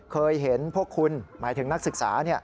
เคยเห็นพวกคุณหมายถึงนักศึกษา